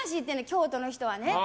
京都の人はね。